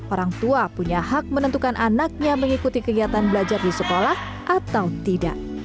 orang tua punya hak menentukan anaknya mengikuti kegiatan belajar di sekolah atau tidak